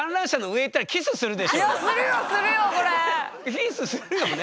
キスするよね。